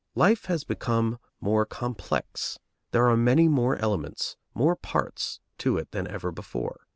Life has become complex; there are many more elements, more parts, to it than ever before.